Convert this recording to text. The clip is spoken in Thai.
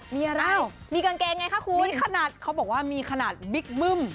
มีอะไรมีกางเกงไงคะคุณขนาดเขาบอกว่ามีขนาดบิ๊กบึ้ม